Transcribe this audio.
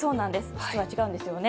実は違うんですよね。